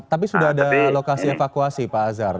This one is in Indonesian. tapi sudah ada lokasi evakuasi pak azhar